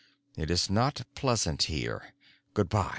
It is not pleasant here. Good by."